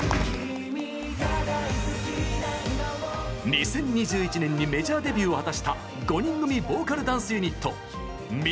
２０２１年にメジャーデビューを果たした５人組ボーカルダンスユニットＭ！